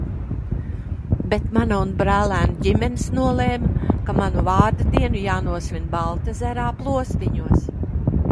"Bet mana un brālēnu ģimenes nolēma, ka manu vārda dienu jānosvin Baltezerā, "Plostiņos"."